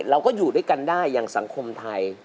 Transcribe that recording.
เราก็อยู่ด้วยกันได้อย่างสังคมไทย